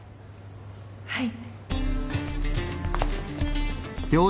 はい。